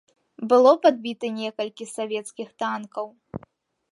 Было падбіта некалькі савецкіх танкаў.